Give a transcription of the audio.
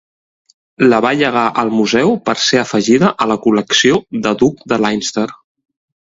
La va llegar al museu per ser afegida a la col·lecció de Duc de Leinster.